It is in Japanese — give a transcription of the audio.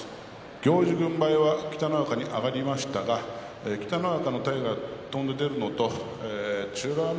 行司軍配が北の若に上がりましたが北の若の体が飛んでいるのと美ノ